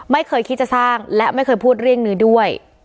ไม่เคยคิดจะสร้างและไม่เคยพูดเรื่องนี้ด้วย